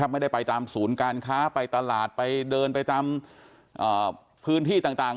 ไม่ได้ไปตามศูนย์การค้าไปตลาดไปเดินไปตามพื้นที่ต่าง